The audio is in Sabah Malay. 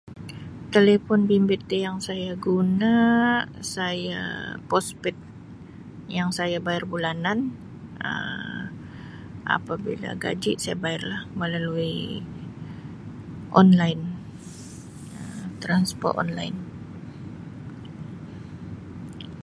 "Telefon bimbit yang saya guna saya ""postpaid"" yang saya bayar bulanan Um apabila gaji saya bayar lah melalui ""online""[Um] ""transfer"" ""online""."